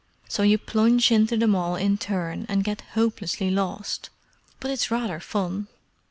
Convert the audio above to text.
"So you plunge into them all in turn, and get hopelessly lost. But it's rather fun."